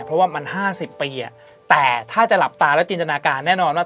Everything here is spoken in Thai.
เพราะว่ามัน๕๐ปีแต่ถ้าจะหลับตาแล้วจินตนาการแน่นอนว่า